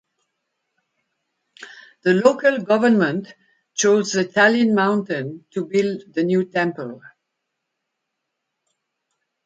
The local government chose the Talin Mountain to build the new temple.